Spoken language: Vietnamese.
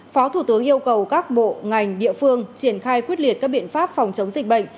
phó thủ tướng yêu cầu các bộ ngành địa phương triển khai quyết liệt các biện pháp phòng chống dịch bệnh